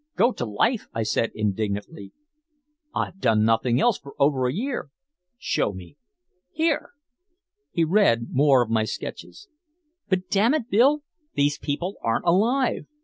"Go to life?" I said indignantly. "I've done nothing else for over a year!" "Show me." "Here!" He read more of my sketches. "But damn it, Bill, these people aren't alive.